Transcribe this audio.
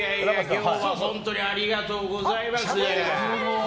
今日は本当にありがとうございます。